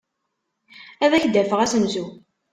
Ad ak-d-afeɣ asensu.